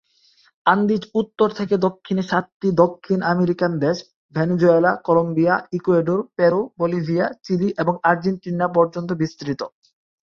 Andes উত্তর থেকে দক্ষিণে সাতটি দক্ষিণ আমেরিকান দেশ: Venezuela, Colombia, Ecuador, Peru, Bolivia, Chile এবং আর্জেন্টিনা পর্যন্ত বিস্তৃত।